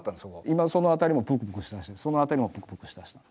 今その辺りもプクプクしだしてその辺りもプクプクしだした。